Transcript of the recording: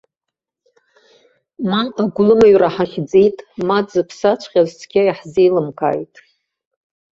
Ма агәлымыҩра ҳахьӡеит, ма дзыԥсаҵәҟьаз цқьа иаҳзеилымкааит.